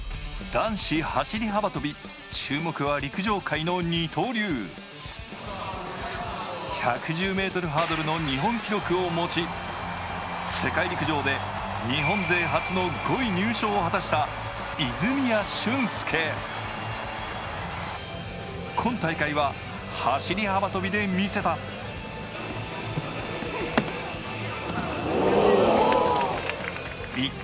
男子走幅跳注目は陸上界の二刀流１１０ｍハードルの日本記録を持ち世界陸上でを果たした泉谷駿介今大会は走幅跳で魅せたおおっ！